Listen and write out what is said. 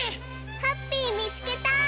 ハッピーみつけた！